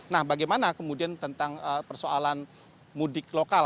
nah bagaimana kemudian tentang persoalan mudik lokal